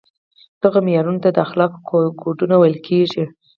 دغو معیارونو ته د اخلاقو کودونه ویل کیږي.